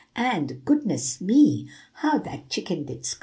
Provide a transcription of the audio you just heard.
And, goodness me, how that chicken did scream!"